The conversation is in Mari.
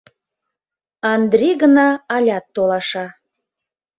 Андри гына алят толаша.